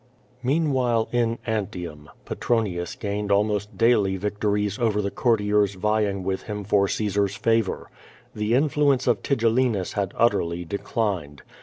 Meanwhile in Antiuni, Petronius gained almost daily vic tories over the courtiers vying with him for Caesar's favor. The influence of Tigellinus had utterly declined.